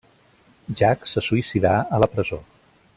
Jack se suïcidà a la presó.